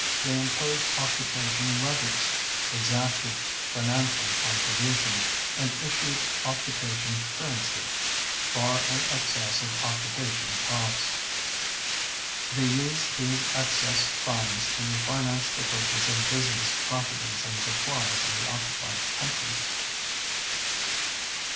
They imposed occupation levies, exacted financial contributions, and issued occupation currency, far in excess of occupation costs. They used these excess funds to finance the purchase of business properties and supplies in the occupied countries.